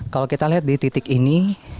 kalau kita lihat di titik ini